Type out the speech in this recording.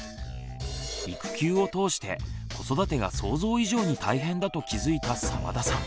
育休を通して子育てが想像以上に大変だと気付いた澤田さん。